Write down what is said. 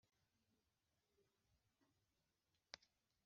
urakoze shobuja… kuba intangarugero.